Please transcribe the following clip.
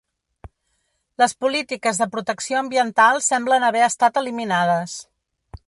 Les polítiques de protecció ambiental semblen haver estat eliminades.